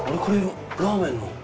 これラーメンの。